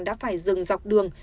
đã phải dừng dọc đường